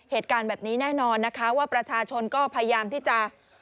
เหตุการณ์แบบนี้แน่นอนนะคะว่าประชาชนก็พยายามที่จะ